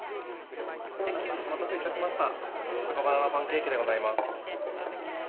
お待たせいたしました、チョコバナナパンケーキでございます。